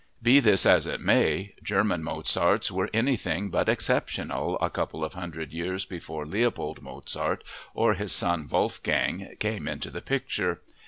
Be this as it may, German "Mozarts" were anything but exceptional a couple of hundred years before Leopold Mozart or his son, Wolfgang, came into the picture.